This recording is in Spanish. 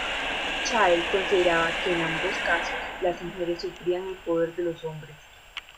Child consideraba que en ambos casos, las mujeres sufrían el poder de los hombres.